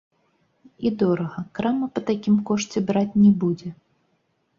І дорага, крама па такім кошце браць не будзе.